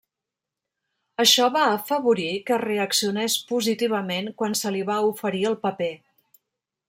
Això va afavorir que reaccionés positivament quan se li va oferir el paper.